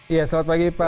iya selamat pagi pak